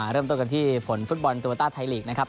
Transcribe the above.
เริ่มต้นกันที่ผลฟุตบอลโยต้าไทยลีกนะครับ